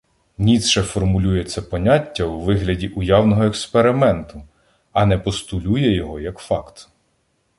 Ніцше формулює це поняття у вигляді уявного експерименту, а не постулює його як факт.